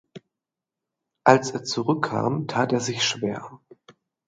Als er zurückkam tat er sich schwer.